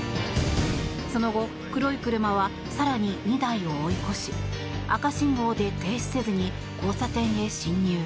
その後、黒い車は更に２台を追い越し赤信号で停止せずに交差点へ進入。